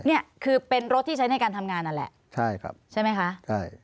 เนี่ยคือเป็นรถที่ใช้ในการทำงานนั่นแหละใช่ครับใช่ไหมคะใช่